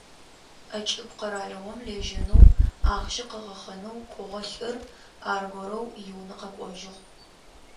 Ӏэкӏыб къэралыгъом лэжьэнэу, ахъщэ къыгъэхъэнэу кӏогъэ лӏыр аргорэу иунэ къэкӏожьыгъ.